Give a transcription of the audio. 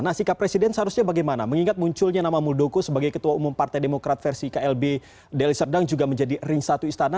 nah sikap presiden seharusnya bagaimana mengingat munculnya nama muldoko sebagai ketua umum partai demokrat versi klb deli serdang juga menjadi ring satu istana